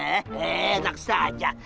eh enak saja